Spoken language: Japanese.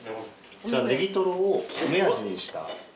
こちらネギトロを梅味にした。